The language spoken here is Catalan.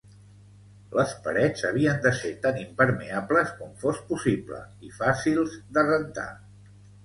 Les parets havien de ser tan impermeables com fos possible i fàcils de rentar.